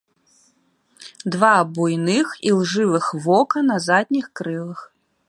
Два буйных ілжывых вока на задніх крылах.